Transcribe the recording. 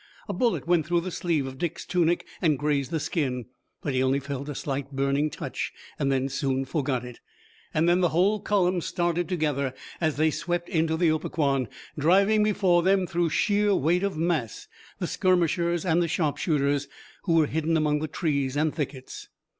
A bullet went through the sleeve of Dick's tunic and grazed the skin, but he only felt a slight burning touch and then soon forgot it. Then the whole column started together, as they swept into the Opequan, driving before them through sheer weight of mass the skirmishers and sharpshooters, who were hidden among the trees and thickets.